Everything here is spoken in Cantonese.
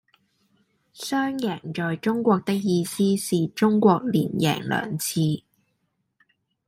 雙贏在中國的意思是中國連贏兩次